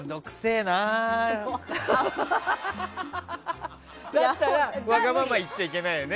だったらわがまま言っちゃいけないよね。